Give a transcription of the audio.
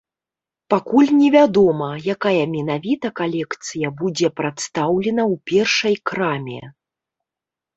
Пакуль невядома, якая менавіта калекцыя будзе прадстаўлена ў першай краме.